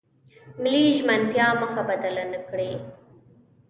ملي ژمنتیا مخه بدله نکړي.